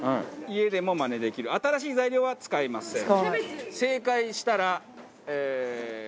家でもマネできる新しい材料は使いません。